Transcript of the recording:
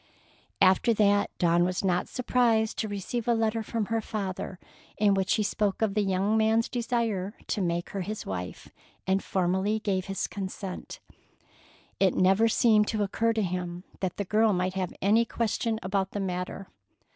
After that Dawn was not surprised to receive a letter from her father in which he spoke of the young man's desire to make her his wife, and formally gave his consent. It never seemed to occur to him that the girl might have any question about the matter.